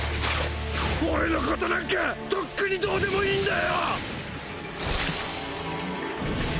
俺のことなんかとっくにどうでもいいんだよ。